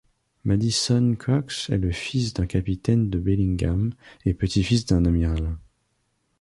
Madison Cox est le fils d'un capitaine de Bellingham et petit-fils d'un amiral.